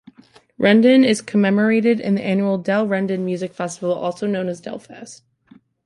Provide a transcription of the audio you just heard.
Rendon is commemorated in the annual Del Rendon Music Festival, also known as DelFest.